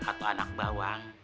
atau anak bawang